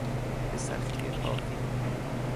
به سختی کافی